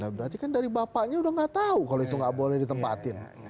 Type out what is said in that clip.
berarti kan dari bapaknya udah gak tau kalau itu gak boleh ditempatin